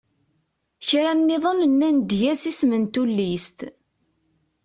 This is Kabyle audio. Kra nniḍen nnan-d eg-as isem n tullist.